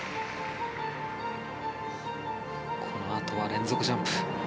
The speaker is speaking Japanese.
このあとは連続ジャンプ。